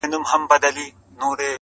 څه لېونۍ شاني گناه مي په سجده کي وکړه;